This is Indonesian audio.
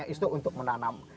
itu untuk menanam